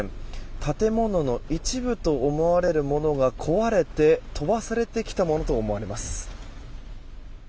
建物の一部と思われるものが壊れて飛ばされてきたものと思われます。